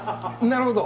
なるほど。